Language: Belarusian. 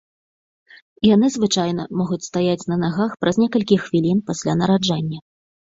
Яны звычайна могуць стаяць на нагах праз некалькіх хвілін пасля нараджэння.